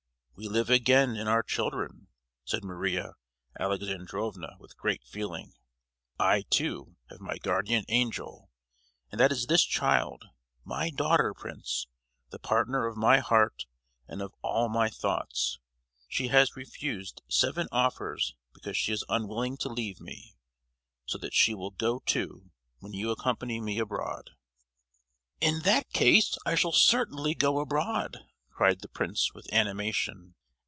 "We live again in our children," said Maria Alexandrovna, with great feeling. "I, too, have my guardian angel, and that is this child, my daughter, Prince, the partner of my heart and of all my thoughts! She has refused seven offers because she is unwilling to leave me! So that she will go too, when you accompany me abroad." "In that case, I shall certainly go abroad," cried the prince with animation.